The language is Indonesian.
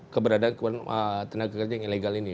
keberadaan tenaga kerja yang ilegal ini